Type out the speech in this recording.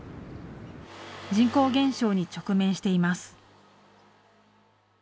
人口減少に直面しています。